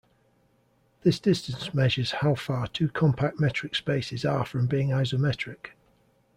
This distance measures how far two compact metric spaces are from being isometric.